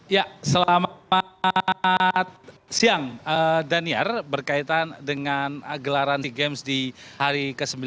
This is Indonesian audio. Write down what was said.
ya selamat siang daniar berkaitan dengan gelaran sea games di hari ke sembilan